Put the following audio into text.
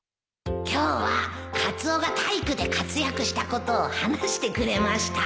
「今日はカツオが体育で活躍したことを話してくれました」